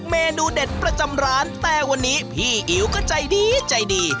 เมนูเด็ดประจำร้านแต่วันนี้พี่อิ๋วก็ใจดีใจดี